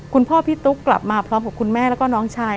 พี่ตุ๊กกลับมาพร้อมกับคุณแม่แล้วก็น้องชาย